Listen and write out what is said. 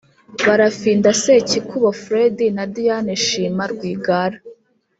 Barafinda Sekikubo Fred na Diane Shima Rwigara